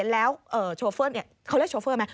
แล้วโชเฟอร์เขาเรียกโชเฟอร์ไหม